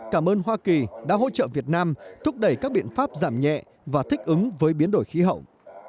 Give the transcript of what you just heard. cảm ơn hoa kỳ đã hỗ trợ việt nam thúc đẩy các biện pháp giảm nhẹ và thích ứng với biến đổi khí hậu